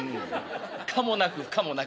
可もなく不可もなく」。